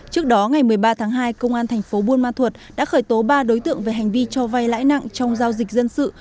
trước đó ngày một mươi ba tháng hai công an thành phố buôn ma thuật đã khởi tố ba đối tượng về hành vi cho vay lãi nặng trong giao dịch dân sự